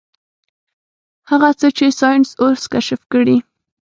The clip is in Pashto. هغه څه چې ساينس اوس کشف کړي.